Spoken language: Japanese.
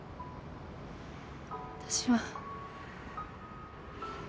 私は